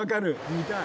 見たい。